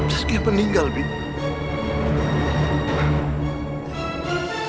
saskia meninggal bibi